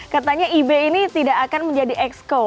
katanya ib ini tidak akan menjadi exco